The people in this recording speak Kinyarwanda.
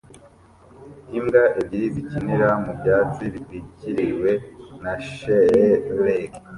Imbwa ebyiri zikinira mu byatsi bitwikiriwe na shelegi